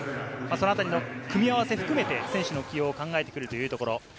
組み合わせを含めて選手の起用を考えてくるというところ。